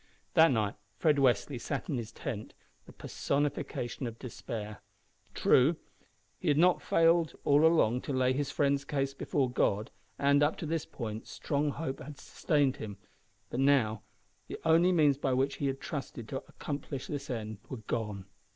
That night Fred Westly sat in his tent, the personification of despair. True, he had not failed all along to lay his friend's case before God, and, up to this point, strong hope had sustained him; but now, the only means by which he had trusted to accomplish his end were gone.